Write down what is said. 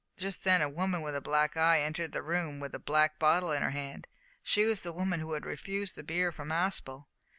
Just then a woman with a black eye entered the room with a black bottle in her hand. She was the woman who had refused the beer from Aspel.